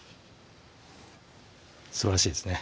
すばらしいですね